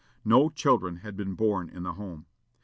No children had been born in the home.